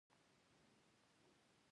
را تمامه شوه دنیا که مې زړه موړ شو